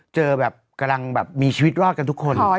เจอกำลังมีชีวิตรอดกันทุกคน